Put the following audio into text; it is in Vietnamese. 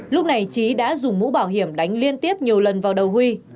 lúc này trí đã dùng mũ bảo hiểm đánh liên tiếp nhiều lần vào đầu huy